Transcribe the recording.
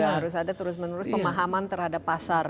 harus ada terus menerus pemahaman terhadap pasar